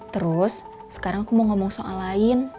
terus sekarang aku mau ngomong soal lain